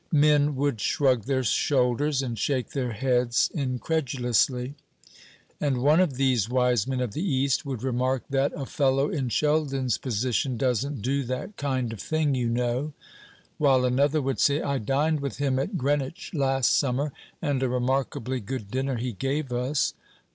Men would shrug their shoulders and shake their heads incredulously; and one of these wise men of the east would remark that, "A fellow in Sheldon's position doesn't do that kind of thing, you know;" while another would say, "I dined with him at Greenwich last summer, and a remarkably good dinner he gave us.